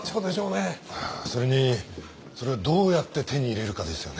それにそれをどうやって手に入れるかですよね。